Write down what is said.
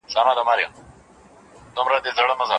دا ټول په واورين موسم کې ډېرې خوندورې وي.